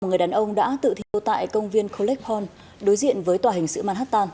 một người đàn ông đã tự thiêu tại công viên colette pond đối diện với tòa hình sự manhattan